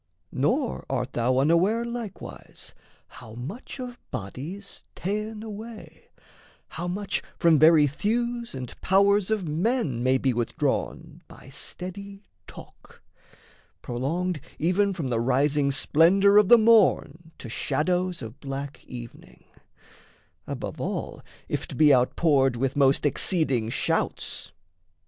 Nor art thou unaware Likewise how much of body's ta'en away, How much from very thews and powers of men May be withdrawn by steady talk, prolonged Even from the rising splendour of the morn To shadows of black evening, above all If 't be outpoured with most exceeding shouts.